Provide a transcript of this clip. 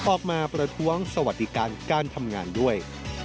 ประท้วงสวัสดิการการทำงานด้วย